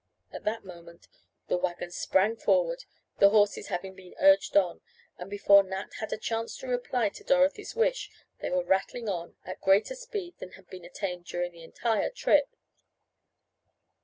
At that moment the wagon sprang forward, the horses having been urged on, and before Nat had a chance to reply to Dorothy's wish they were rattling on, at greater speed than had been attained during the entire trip.